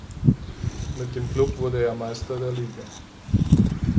Mit dem Club wurde er Meister der Liga.